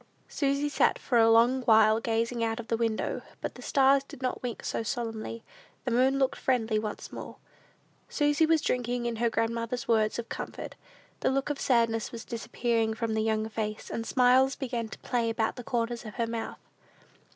Susy sat for a long while gazing out of the window; but the stars did not wink so solemnly; the moon looked friendly once more. Susy was drinking in her grandmother's words of comfort. The look of sadness was disappearing from the young face, and smiles began to play about the corners of her mouth.